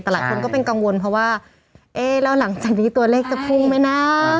แต่หลายคนก็เป็นกังวลเพราะว่าเอ๊ะแล้วหลังจากนี้ตัวเลขจะพุ่งไหมนะ